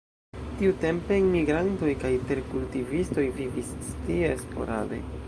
Tiutempe enmigrantoj kaj terkultivistoj vivis tie sporade.